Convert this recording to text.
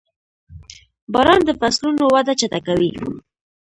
• باران د فصلونو وده چټکوي.